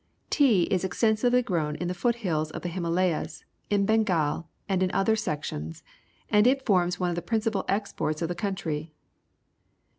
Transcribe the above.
Tea is extensivelj^ grown in the foot hills of the Him alayas, in Bengal, and in other sections, and it forms one of the principal exports of the country.